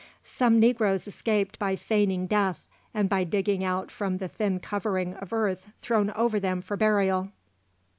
Some negroes escaped by feigning death, and by digging out from the thin covering of earth thrown over them for burial.